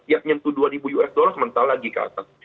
tiap nyentuh dua usd mentah lagi ke atas